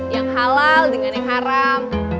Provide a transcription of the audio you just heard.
yang halal dengan yang haram